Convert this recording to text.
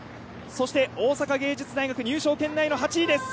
大阪芸術大学入賞圏内の８位です。